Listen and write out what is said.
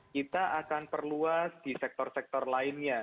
kita akan perluas di sektor sektor lainnya